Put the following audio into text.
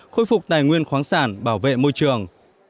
khôi phục tài nguyên khoáng sản bảo vệ môi trường